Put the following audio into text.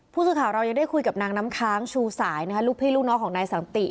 ผู้สื่อข่าวเรายังได้คุยกับนางน้ำค้างชูสายลูกพี่ลูกน้องของนายสันติ